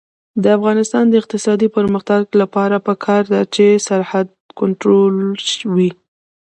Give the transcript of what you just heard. د افغانستان د اقتصادي پرمختګ لپاره پکار ده چې سرحد کنټرول وي.